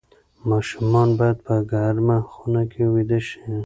ماشومان باید په ګرمه خونه کې ویده شي.